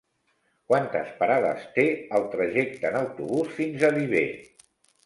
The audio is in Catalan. Quantes parades té el trajecte en autobús fins a Viver?